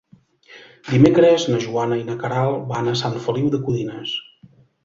Dimecres na Joana i na Queralt van a Sant Feliu de Codines.